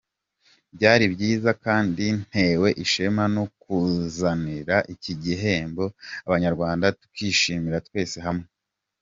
Byari byiza kandi ntewe ishema no ku zanira iki igihembo abanyarwanda tukiishimira twese hamwe.